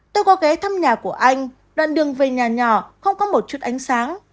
tôi có ghé thăm nhà của anh đoạn đường về nhà nhỏ không có một chút ánh sáng